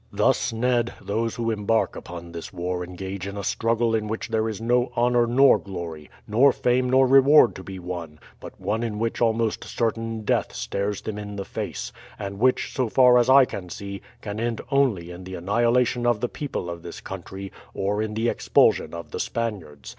"Thus, Ned, those who embark upon this war engage in a struggle in which there is no honour nor glory, nor fame nor reward to be won, but one in which almost certain death stares them in the face, and which, so far as I can see, can end only in the annihilation of the people of this country, or in the expulsion of the Spaniards.